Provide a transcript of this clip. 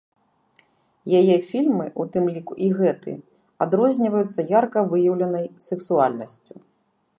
Яе фільмы, у тым ліку і гэты, адрозніваюцца ярка выяўленай сексуальнасцю.